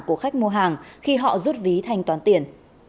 của khách mua hàng khi họ rút ví thanh toán tiền